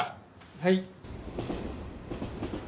はい。